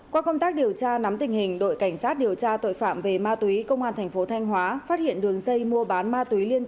qua công tác điều tra nắm tình hình đội cảnh sát điều tra tội phạm về ma túy công an thành phố thanh hóa phát hiện đường dây mua bán ma túy liên tỉnh